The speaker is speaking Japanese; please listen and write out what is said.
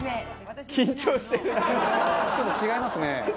ちょっと違いますね。